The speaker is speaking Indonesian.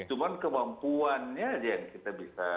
cuman kemampuannya saja yang kita bisa